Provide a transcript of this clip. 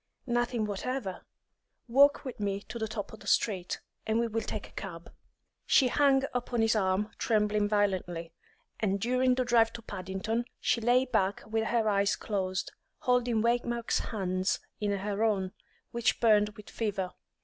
"Nothing whatever. Walk with me to the top of the street, and we will take a cab." She hung upon his arm, trembling violently; and during the drive to Paddington, she lay back with her eyes closed, holding Waymark's hands in her own, which burned with fever.